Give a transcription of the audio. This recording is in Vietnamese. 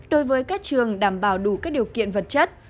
đối với các trường đảm bảo đủ các điều kiện vật chất